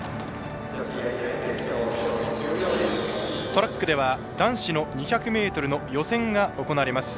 トラックでは男子の２００ｍの予選が行われます。